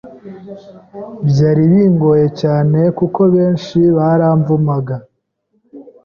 byari bingoye cyane kuko benshi baramvumaaga